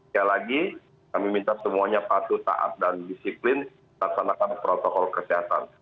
sekali lagi kami minta semuanya patuh taat dan disiplin laksanakan protokol kesehatan